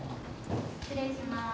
失礼します。